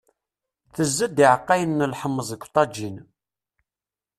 Tezza-d iɛeqqayen n lḥemmeẓ deg uḍajin.